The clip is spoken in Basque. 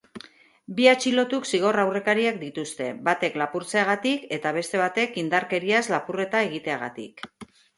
Bi atxilotuk zigor-aurrekariak dituzte, batek lapurtzeagatik eta beste batek indarkeriaz lapurreta egiteagatik.